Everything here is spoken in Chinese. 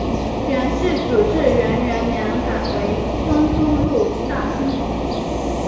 元世祖至元元年改为中都路大兴府。